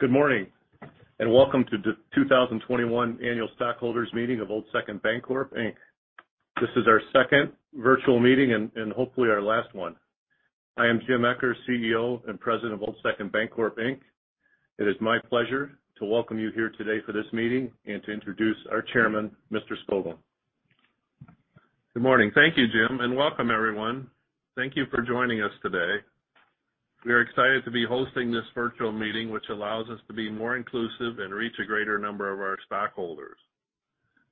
Good morning, welcome to the 2021 annual stockholders meeting of Old Second Bancorp, Inc. This is our second virtual meeting and hopefully our last one. I am Jim Eccher, CEO and President of Old Second Bancorp, Inc. It is my pleasure to welcome you here today for this meeting and to introduce our Chairman, Mr. Skoglund. Good morning. Thank you, Jim, and welcome everyone. Thank you for joining us today. We are excited to be hosting this virtual meeting, which allows us to be more inclusive and reach a greater number of our stockholders.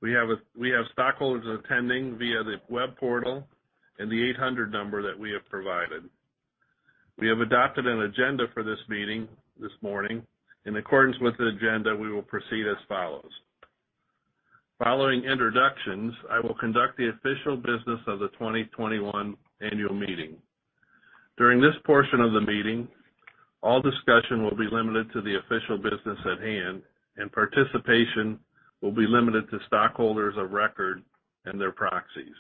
We have stockholders attending via the web portal and the 800 number that we have provided. We have adopted an agenda for this meeting this morning. In accordance with the agenda, we will proceed as follows. Following introductions, I will conduct the official business of the 2021 annual meeting. During this portion of the meeting, all discussion will be limited to the official business at hand, and participation will be limited to stockholders of record and their proxies.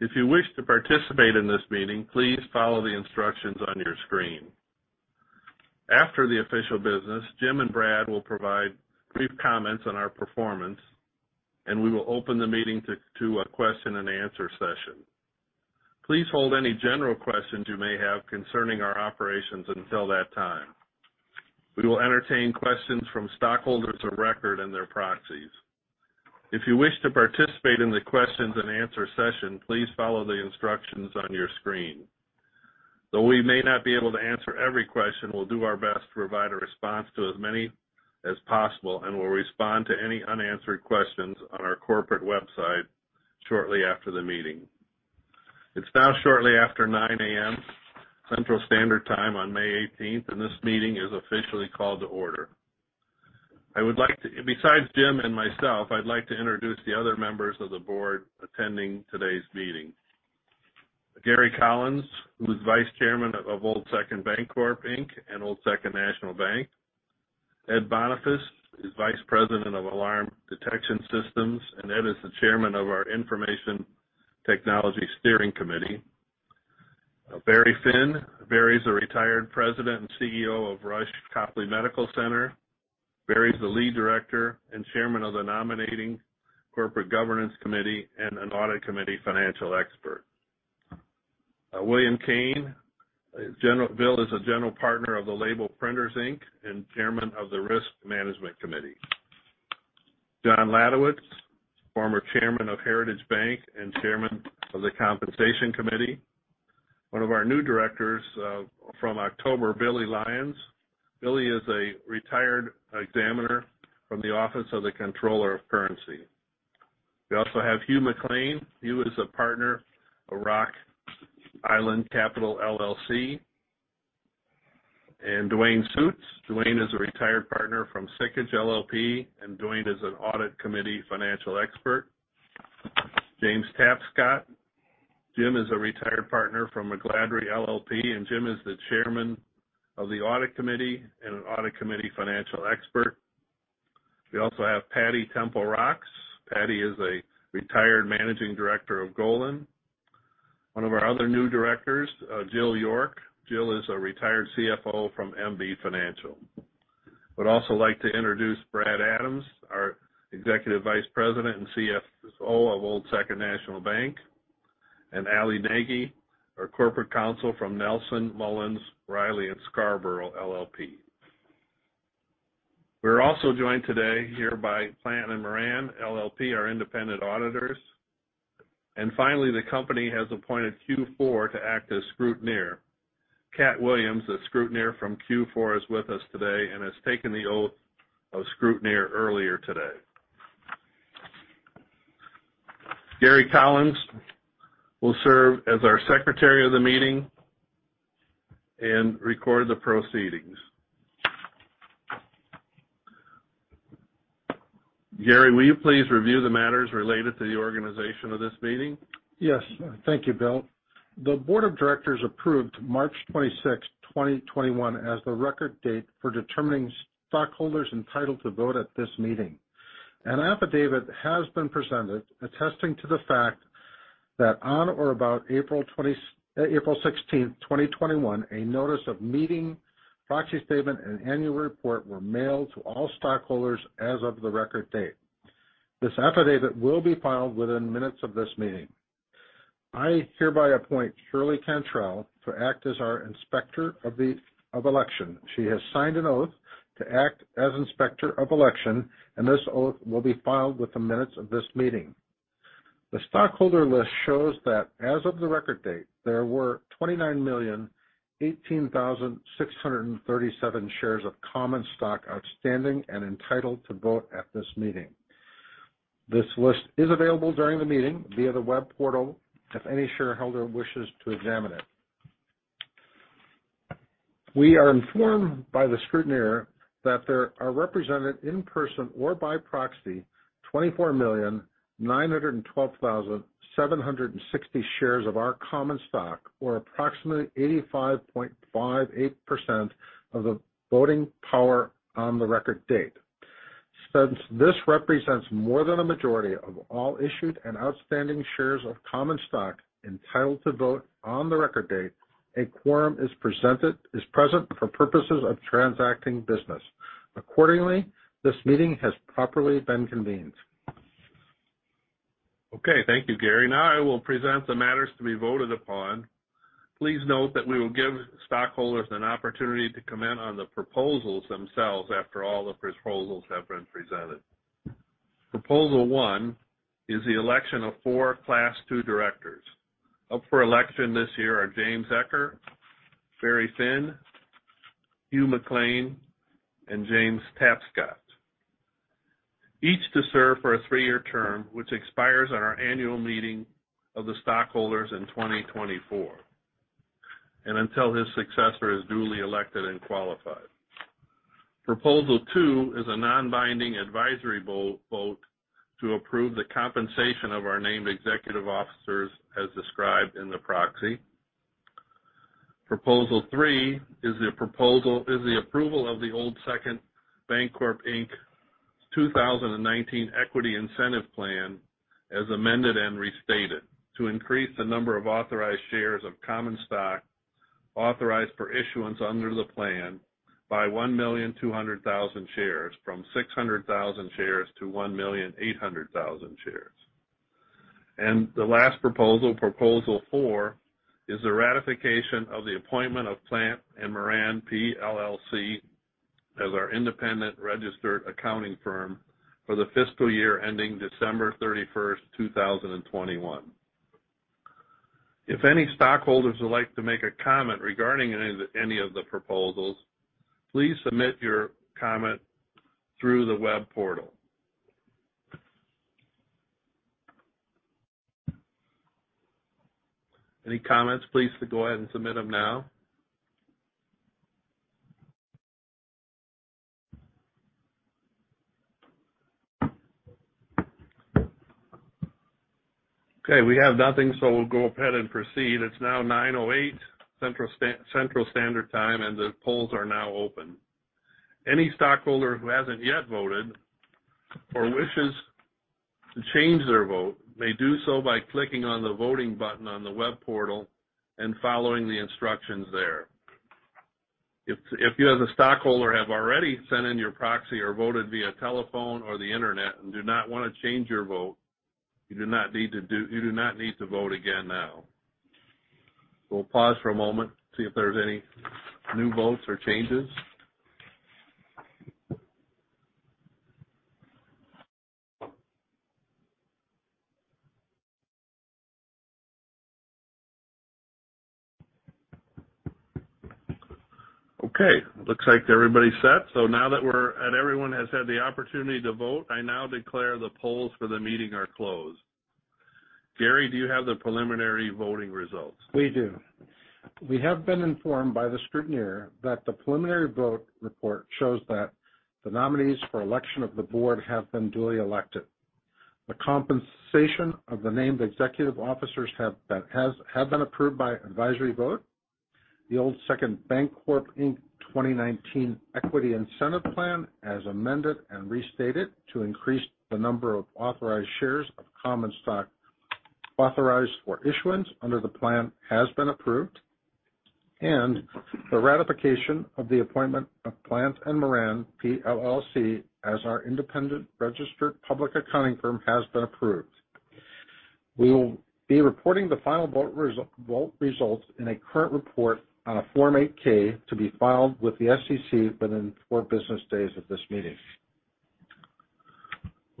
If you wish to participate in this meeting, please follow the instructions on your screen. After the official business, Jim and Brad will provide brief comments on our performance, and we will open the meeting to a question-and-answer session. Please hold any general questions you may have concerning our operations until that time. We will entertain questions from stockholders of record and their proxies. If you wish to participate in the questions-and-answer session, please follow the instructions on your screen. Though we may not be able to answer every question, we'll do our best to provide a response to as many as possible and will respond to any unanswered questions on our corporate website shortly after the meeting. It's now shortly after 9:00 A.M. Central Standard Time on May 18th, and this meeting is officially called to order. Besides Jim and myself, I'd like to introduce the other members of the board attending today's meeting. Gary Collins, who is Vice Chairman of Old Second Bancorp, Inc. and Old Second National Bank. Ed Bonifas is Vice President of Alarm Detection Systems, and Ed is the Chairman of our Information Technology Steering Committee. Barry Finn. Barry is a retired President and CEO of Rush Copley Medical Center. Barry is the Lead Director and Chairman of the Nominating and Corporate Governance Committee and an Audit Committee Financial Expert. William Kane. Bill is a general partner of The Label Printers Inc. and Chairman of the Risk Management Committee. John Ladowicz, former Chairman of Heritage Bank and Chairman of the Compensation Committee. One of our new directors from October, Billy Lyons. Billy is a retired examiner from the Office of the Comptroller of the Currency. We also have Hugh McLean. Hugh is a partner of Rock Island Capital LLC. Duane Suits. Duane is a retired partner from Sikich LLP, and Duane is an Audit Committee Financial Expert. James Tapscott. Jim is a retired partner from McGladrey LLP, and Jim is the Chairman of the Audit Committee and an Audit Committee Financial Expert. We also have Patti Temple Rocks. Patti is a retired Managing Director of Golin. One of our other new directors, Jill York. Jill is a retired CFO from MB Financial. I would also like to introduce Brad Adams, our Executive Vice President and CFO of Old Second National Bank, and Allie Nagy, our Corporate Counsel from Nelson Mullins Riley & Scarborough LLP. We are also joined today here by Plante & Moran, LLP, our independent auditors. Finally, the company has appointed Q4 to act as scrutineer. Katt Williams, a scrutineer from Q4, is with us today and has taken the oath of scrutineer earlier today. Gary Collins will serve as our secretary of the meeting and record the proceedings. Gary, will you please review the matters related to the organization of this meeting? Yes. Thank you, Bill. The board of directors approved March 26th, 2021, as the record date for determining stockholders entitled to vote at this meeting. An affidavit has been presented attesting to the fact that on or about April 16th, 2021, a notice of meeting, proxy statement, and annual report were mailed to all stockholders as of the record date. This affidavit will be filed within minutes of this meeting. I hereby appoint Shirley Cantrell to act as our Inspector of Election. She has signed an oath to act as Inspector of Election, and this oath will be filed with the minutes of this meeting. The stockholder list shows that as of the record date, there were 29,018,637 shares of common stock outstanding and entitled to vote at this meeting. This list is available during the meeting via the web portal if any shareholder wishes to examine it. We are informed by the scrutineer that there are represented in person or by proxy 24,912,760 shares of our common stock, or approximately 85.58% of the voting power on the record date. Since this represents more than a majority of all issued and outstanding shares of common stock entitled to vote on the record date, a quorum is present for purposes of transacting business. Accordingly, this meeting has properly been convened. Okay. Thank you, Gary. Now I will present the matters to be voted upon. Please note that we will give stockholders an opportunity to comment on the proposals themselves after all the proposals have been presented. Proposal one is the election of four class two directors. Up for election this year are James Eccher, Barry Finn, Hugh McLean, and James Tapscott, each to serve for a three-year term, which expires at our annual meeting of the stockholders in 2024, and until his successor is duly elected and qualified. Proposal two is a non-binding advisory vote to approve the compensation of our named executive officers as described in the proxy. Proposal three is the approval of the Old Second Bancorp, Inc. 2019 Equity Incentive Plan, as amended and restated, to increase the number of authorized shares of common stock authorized for issuance under the plan by 1,200,000 shares from 600,000 shares to 1,800,000 shares. The last proposal four, is the ratification of the appointment of Plante & Moran, PLLC as our independent registered accounting firm for the fiscal year ending December 31st, 2021. If any stockholders would like to make a comment regarding any of the proposals, please submit your comment through the web portal. Any comments, please go ahead and submit them now. Okay, we have nothing, so we'll go ahead and proceed. It's now 9:08 A.M. Central Standard Time, the polls are now open. Any stockholder who hasn't yet voted or wishes to change their vote, may do so by clicking on the voting button on the web portal and following the instructions there. If you, as a stockholder, have already sent in your proxy or voted via telephone or the internet and do not want to change your vote, you do not need to vote again now. We'll pause for a moment to see if there's any new votes or changes. Okay, looks like everybody's set. Now that everyone has had the opportunity to vote, I now declare the polls for the meeting are closed. Gary, do you have the preliminary voting results? We do. We have been informed by the scrutineer that the preliminary vote report shows that the nominees for election of the board have been duly elected. The compensation of the named executive officers have been approved by advisory vote. The Old Second Bancorp, Inc. 2019 Equity Incentive Plan, as amended and restated, to increase the number of authorized shares of common stock authorized for issuance under the plan, has been approved. The ratification of the appointment of Plante & Moran, PLLC as our independent registered public accounting firm has been approved. We will be reporting the final vote results in a current report on a Form 8-K to be filed with the SEC within four business days of this meeting.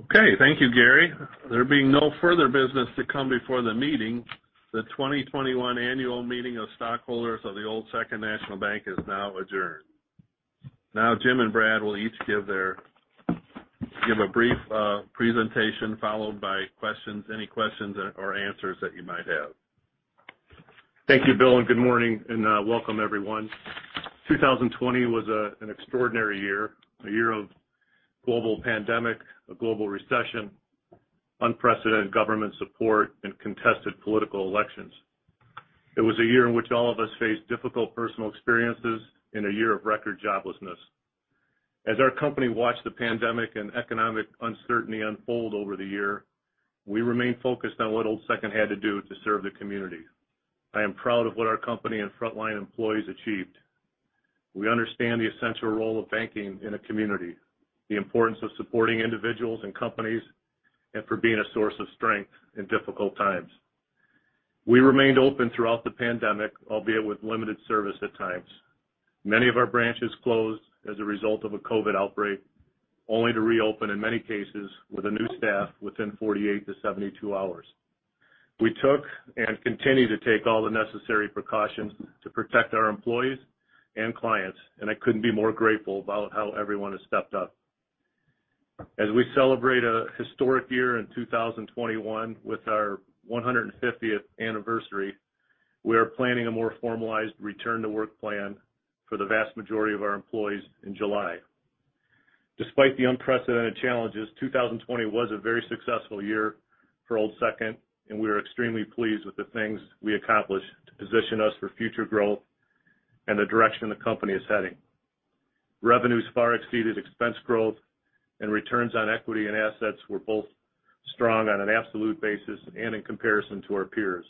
Okay. Thank you, Gary. There being no further business to come before the meeting, the 2021 annual meeting of stockholders of the Old Second National Bank is now adjourned. Now Jim and Brad will each give a brief presentation followed by any questions or answers that you might have. Thank you, Bill, and good morning, and welcome everyone. 2020 was an extraordinary year, a year of global pandemic, a global recession, unprecedented government support, and contested political elections. It was a year in which all of us faced difficult personal experiences in a year of record joblessness. As our company watched the pandemic and economic uncertainty unfold over the year, we remained focused on what Old Second had to do to serve the community. I am proud of what our company and frontline employees achieved. We understand the essential role of banking in a community, the importance of supporting individuals and companies, and for being a source of strength in difficult times. We remained open throughout the pandemic, albeit with limited service at times. Many of our branches closed as a result of a COVID-19 outbreak, only to reopen in many cases with a new staff within 48-72 hours. We took and continue to take all the necessary precautions to protect our employees and clients, and I couldn't be more grateful about how everyone has stepped up. As we celebrate a historic year in 2021 with our 150th anniversary, we are planning a more formalized return-to-work plan for the vast majority of our employees in July. Despite the unprecedented challenges, 2020 was a very successful year for Old Second, and we are extremely pleased with the things we accomplished to position us for future growth and the direction the company is heading. Revenues far exceeded expense growth, and returns on equity and assets were both strong on an absolute basis and in comparison to our peers.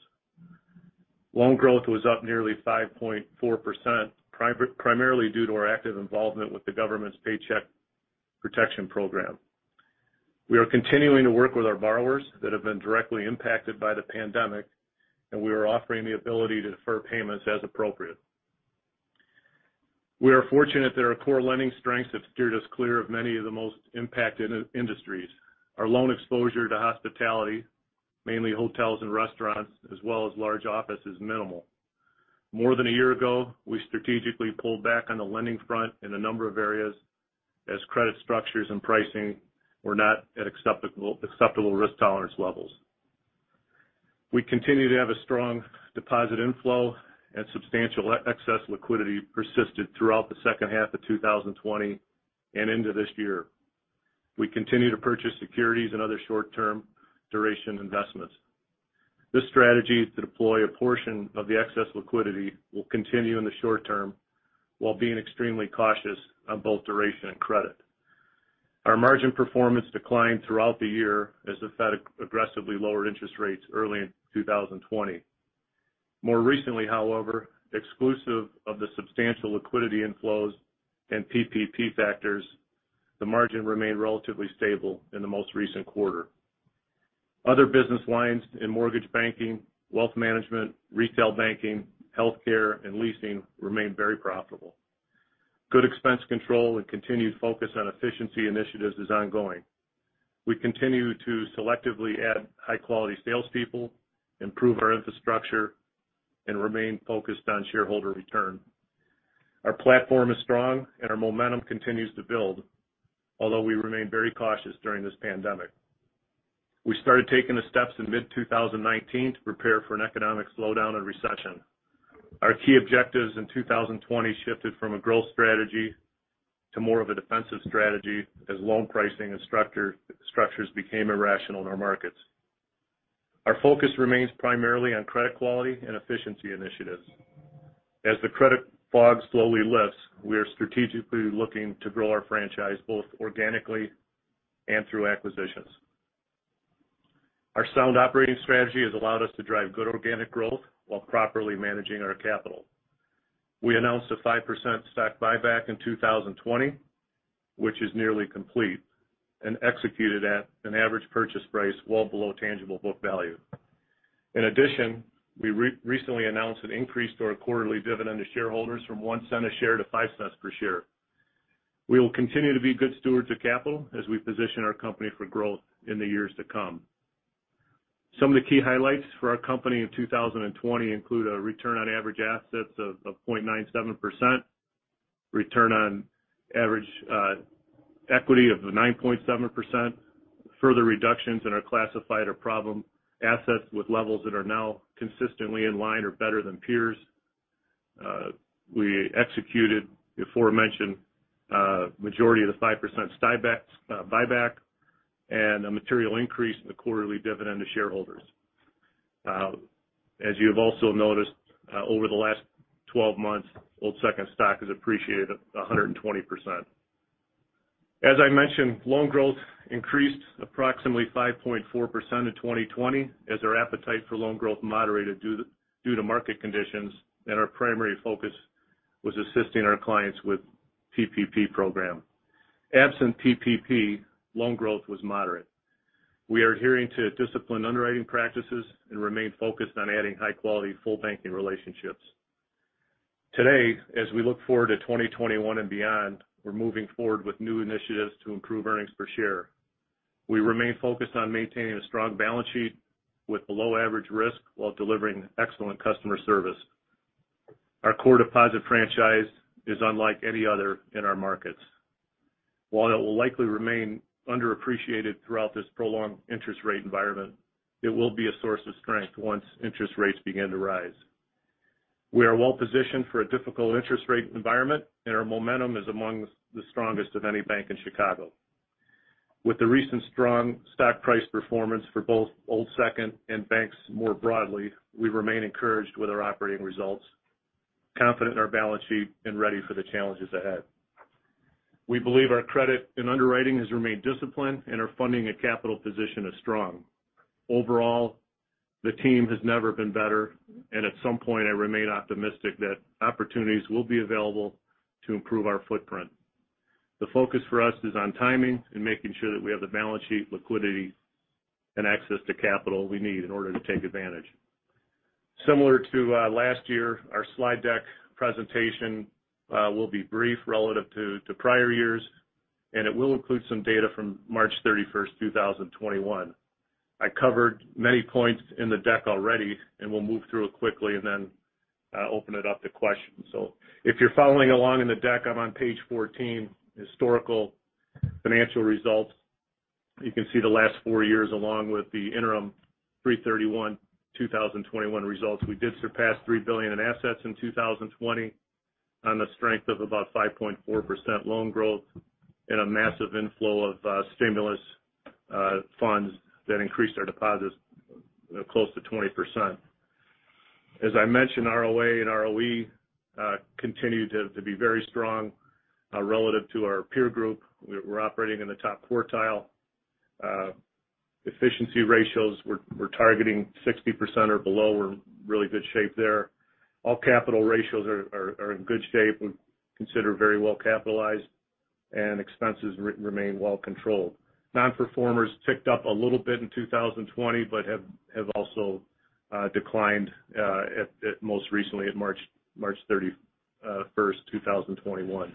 Loan growth was up nearly 5.4%, primarily due to our active involvement with the government's Paycheck Protection Program. We are continuing to work with our borrowers that have been directly impacted by the pandemic, and we are offering the ability to defer payments as appropriate. We are fortunate that our core lending strength has steered us clear of many of the most impacted industries. Our loan exposure to hospitality, mainly hotels and restaurants, as well as large office, is minimal. More than a year ago, we strategically pulled back on the lending front in a number of areas as credit structures and pricing were not at acceptable risk tolerance levels. We continue to have a strong deposit inflow, and substantial excess liquidity persisted throughout the second half of 2020 and into this year. We continue to purchase securities and other short-term duration investments. This strategy to deploy a portion of the excess liquidity will continue in the short term while being extremely cautious on both duration and credit. Our margin performance declined throughout the year as the Fed aggressively lowered interest rates early in 2020. More recently, however, exclusive of the substantial liquidity inflows and PPP factors, the margin remained relatively stable in the most recent quarter. Other business lines in mortgage banking, wealth management, retail banking, healthcare, and leasing remain very profitable. Good expense control and continued focus on efficiency initiatives is ongoing. We continue to selectively add high-quality salespeople, improve our infrastructure, and remain focused on shareholder return. Our platform is strong, and our momentum continues to build, although we remain very cautious during this pandemic. We started taking the steps in mid-2019 to prepare for an economic slowdown and recession. Our key objectives in 2020 shifted from a growth strategy to more of a defensive strategy as loan pricing and structures became irrational in our markets. Our focus remains primarily on credit quality and efficiency initiatives. As the credit fog slowly lifts, we are strategically looking to grow our franchise both organically and through acquisitions. Our sound operating strategy has allowed us to drive good organic growth while properly managing our capital. We announced a 5% stock buyback in 2020, which is nearly complete and executed at an average purchase price well below tangible book value. In addition, we recently announced an increase to our quarterly dividend to shareholders from $0.01 a share to $0.05 per share. We will continue to be good stewards of capital as we position our company for growth in the years to come. Some of the key highlights for our company in 2020 include a return on average assets of 0.97%, return on average equity of 9.7%, further reductions in our classified or problem assets with levels that are now consistently in line or better than peers. We executed the aforementioned majority of the 5% buyback and a material increase in the quarterly dividend to shareholders. As you've also noticed, over the last 12 months, Old Second stock has appreciated 120%. As I mentioned, loan growth increased approximately 5.4% in 2020 as our appetite for loan growth moderated due to market conditions, and our primary focus was assisting our clients with PPP program. Absent PPP, loan growth was moderate. We are adhering to disciplined underwriting practices and remain focused on adding high-quality full banking relationships. Today, as we look forward to 2021 and beyond, we're moving forward with new initiatives to improve earnings per share. We remain focused on maintaining a strong balance sheet with below-average risk while delivering excellent customer service. Our core deposit franchise is unlike any other in our markets. While it will likely remain underappreciated throughout this prolonged interest rate environment, it will be a source of strength once interest rates begin to rise. We are well-positioned for a difficult interest rate environment, and our momentum is among the strongest of any bank in Chicago. With the recent strong stock price performance for both Old Second and banks more broadly, we remain encouraged with our operating results, confident in our balance sheet, and ready for the challenges ahead. We believe our credit and underwriting has remained disciplined and our funding and capital position is strong. Overall, the team has never been better, and at some point, I remain optimistic that opportunities will be available to improve our footprint. The focus for us is on timing and making sure that we have the balance sheet liquidity and access to capital we need in order to take advantage. Similar to last year, our slide deck presentation will be brief relative to prior years, and it will include some data from March 31st, 2021. I covered many points in the deck already, and we'll move through it quickly and then open it up to questions. If you're following along in the deck, I'm on page 14, historical financial results. You can see the last four years along with the interim 3/31/2021 results. We did surpass $3 billion in assets in 2020 on the strength of about 5.4% loan growth and a massive inflow of stimulus funds that increased our deposits close to 20%. As I mentioned, ROA and ROE continue to be very strong relative to our peer group. We're operating in the top quartile. Efficiency ratios, we're targeting 60% or below. We're in really good shape there. All capital ratios are in good shape. We're considered very well capitalized, and expenses remain well controlled. Non-performers ticked up a little bit in 2020, but have also declined most recently at March 31st, 2021.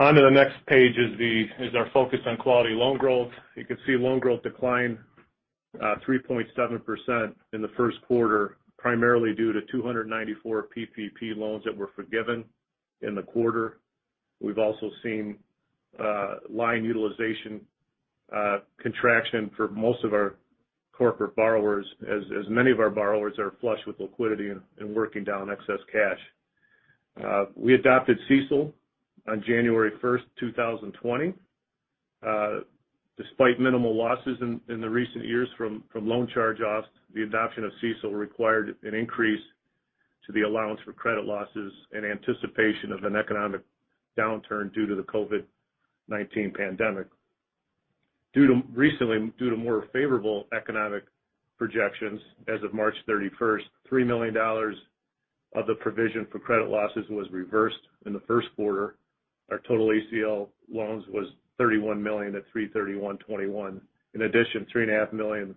On to the next page is our focus on quality loan growth. You can see loan growth decline 3.7% in the first quarter, primarily due to 294 PPP loans that were forgiven in the quarter. We've also seen line utilization contraction for most of our corporate borrowers, as many of our borrowers are flush with liquidity and working down excess cash. We adopted CECL on January 1st, 2020. Despite minimal losses in the recent years from loan charge-offs, the adoption of CECL required an increase to the allowance for credit losses in anticipation of an economic downturn due to the COVID-19 pandemic. Recently, due to more favorable economic projections, as of March 31st, $3 million of the provision for credit losses was reversed in the first quarter. Our total ACL loans was $31 million at 3/31/2021. In addition, $3.5 million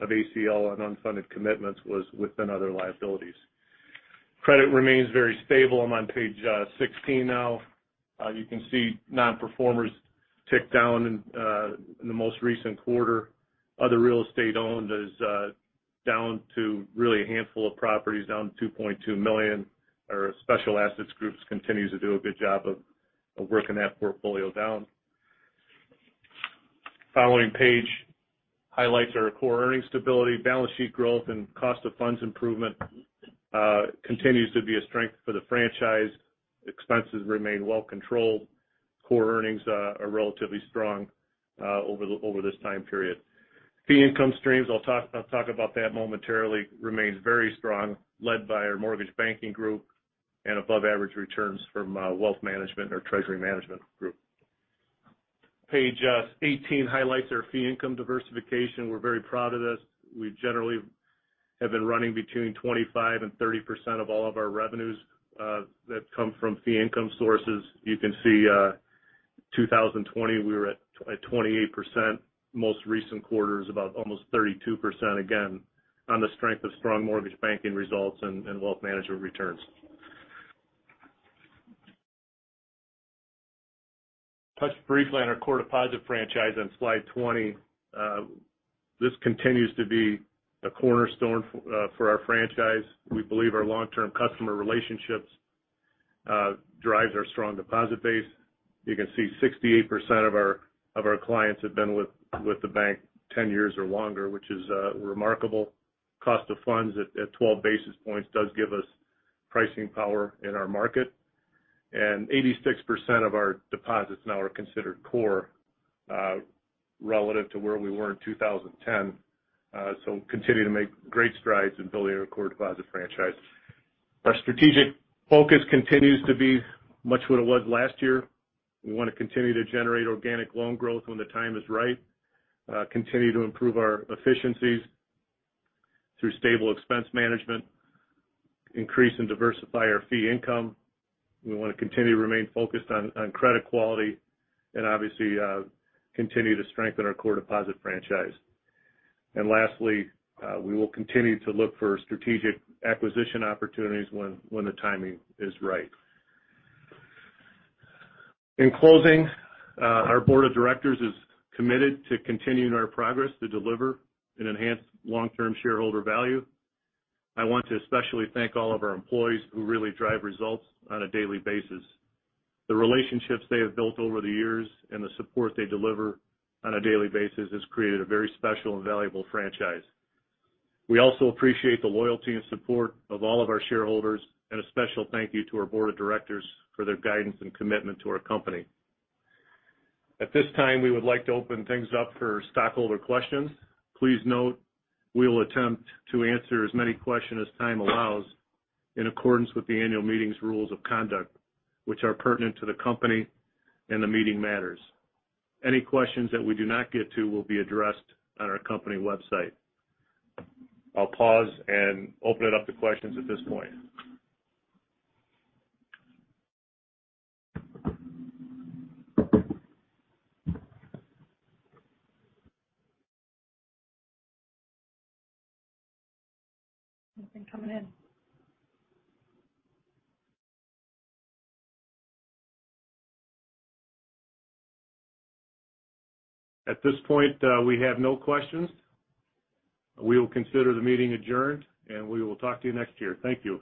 of ACL and unfunded commitments was within other liabilities. Credit remains very stable. I'm on page 16 now. You can see non-performers ticked down in the most recent quarter. Other real estate owned is down to really a handful of properties, down to $2.2 million. Our special assets groups continues to do a good job of working that portfolio down. Following page highlights our core earnings stability, balance sheet growth, and cost of funds improvement continues to be a strength for the franchise. Expenses remain well controlled. Core earnings are relatively strong over this time period. Fee income streams, I'll talk about that momentarily, remains very strong, led by our mortgage banking group and above average returns from wealth management or treasury management group. Page 18 highlights our fee income diversification. We're very proud of this. We generally have been running between 25% and 30% of all of our revenues that come from fee income sources. You can see 2020, we were at 28%. Most recent quarter is about almost 32%, again, on the strength of strong mortgage banking results and wealth management returns. Touch briefly on our core deposit franchise on slide 20. This continues to be a cornerstone for our franchise. We believe our long-term customer relationships drives our strong deposit base. You can see 68% of our clients have been with the bank 10 years or longer, which is remarkable. Cost of funds at 12 basis points does give us pricing power in our market, and 86% of our deposits now are considered core relative to where we were in 2010. We're continuing to make great strides in building our core deposit franchise. Our strategic focus continues to be much what it was last year. We want to continue to generate organic loan growth when the time is right, continue to improve our efficiencies through stable expense management, increase and diversify our fee income. We want to continue to remain focused on credit quality and obviously continue to strengthen our core deposit franchise. Lastly, we will continue to look for strategic acquisition opportunities when the timing is right. In closing, our board of directors is committed to continuing our progress to deliver and enhance long-term shareholder value. I want to especially thank all of our employees who really drive results on a daily basis. The relationships they have built over the years and the support they deliver on a daily basis has created a very special and valuable franchise. We also appreciate the loyalty and support of all of our shareholders, and a special thank you to our board of directors for their guidance and commitment to our company. At this time, we would like to open things up for stockholder questions. Please note, we will attempt to answer as many questions as time allows in accordance with the annual meeting's rules of conduct, which are pertinent to the company and the meeting matters. Any questions that we do not get to will be addressed on our company website. I'll pause and open it up to questions at this point. Nothing coming in. At this point, we have no questions. We will consider the meeting adjourned, and we will talk to you next year. Thank you.